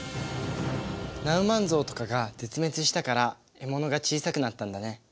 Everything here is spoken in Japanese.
ナウマンゾウとかが絶滅したから獲物が小さくなったんだね。